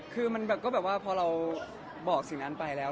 คือมันแบบก็แบบว่าพอเราบอกสิ่งนั้นไปแล้ว